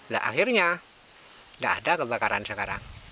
nah akhirnya tidak ada kebakaran sekarang